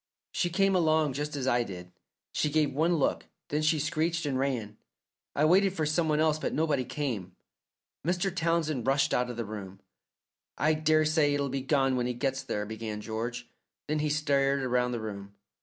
She came along just as I did. She gave one look, then she screeched and ran. I waited for some one else, but nobody came." Mr. Townsend rushed out of the room. "I daresay it'll be gone when he gets there," began George, then he stared round the room.